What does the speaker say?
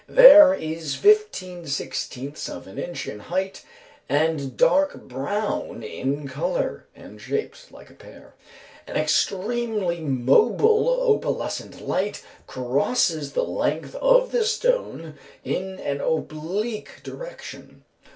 This is 15 16ths of an inch in height, and dark brown in colour, and shaped like a pear. An extremely mobile opalescent light crosses the length of the stone in an oblique direction.